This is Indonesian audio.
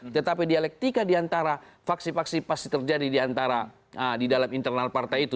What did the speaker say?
tetapi dialektika diantara vaksi vaksi pasti terjadi diantara di dalam internal partai itu